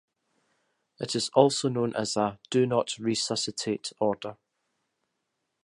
It is also known as a "do not resuscitate" order.